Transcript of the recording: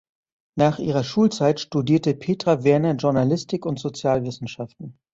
Nach ihrer Schulzeit studierte Petra Werner Journalistik und Sozialwissenschaften.